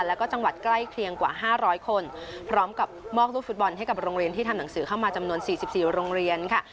แล้วก็จังหวัดใกล้เคียงกว่า๕๐๐คนพร้อมกับมอบลูกฟุตบอลให้กับโรงเรียนที่ทำหนังสือเข้ามาจำนวน๔๔โรงเรียนค่ะ